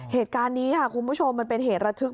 เหตุการณ์นี้ค่ะคุณผู้ชมมันเป็นเหตุระทึก